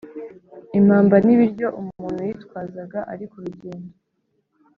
Impamba n’Ibiryo umuntu yitwazaga ari ku rugendo